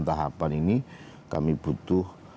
tahapan ini kami butuh